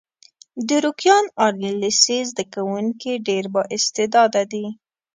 د روکيان عالي لیسې زده کوونکي ډېر با استعداده دي.